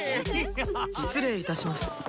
失礼いたします。